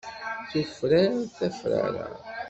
Tufrar tafrara.